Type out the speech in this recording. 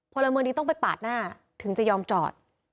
พลเมืองดีต้องไปปาดหน้าถึงจะยอมจอด